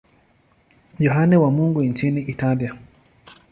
Yohane wa Mungu nchini Italia.